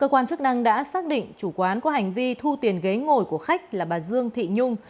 quan chức năng đã xác định chủ quán có hành vi thu tiền ghế ngồi của khách là bà dương thị nhung